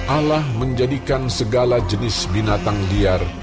alah menjadikan segala jenis binatang liar